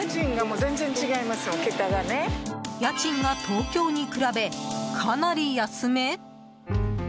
家賃が東京に比べかなり安め？